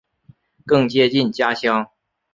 更接近家乡